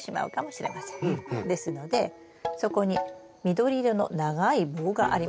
ですのでそこに緑色の長い棒がありますね。